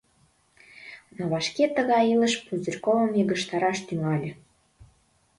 Но вашке тыгай илыш Пузырьковым йыгыжтараш тӱҥале.